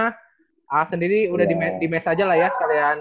karena sendiri udah di mes aja lah ya sekalian